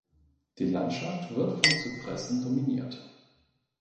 Die Landschaft wird von Zypressen dominiert.